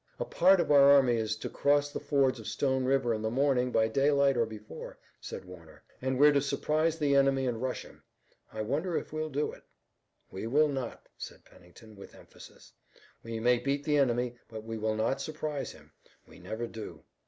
"A part of our army is to cross the fords of Stone River in the morning by daylight or before," said Warner, "and we're to surprise the enemy and rush him. I wonder if we'll do it." "We will not," said Pennington with emphasis. "We may beat the enemy, but we will not surprise him. We never do.